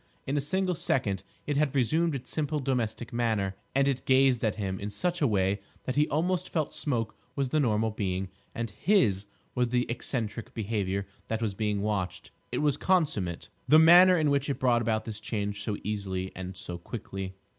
In a single second it had resumed its simple, domestic manner; and it gazed at him in such a way that he almost felt Smoke was the normal being, and his was the eccentric behaviour that was being watched. It was consummate, the manner in which it brought about this change so easily and so quickly.